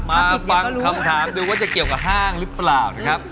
มาฟังคำถามดูว่าจะเกี่ยวกับห้างหรือเปล่านะครับ